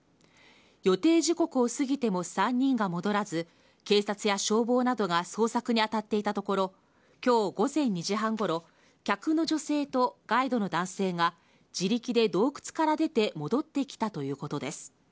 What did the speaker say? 予定時刻を過ぎても３人が戻らず警察や消防などが捜索に当たっていたところ今日午前２時半ごろ客の女性とガイドの男性が自力で洞窟から出て戻ってきたということです。